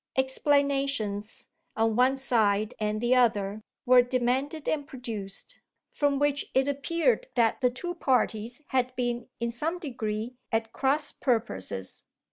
Explanations, on one side and the other, were demanded and produced; from which it appeared that the two parties had been in some degree at cross purposes.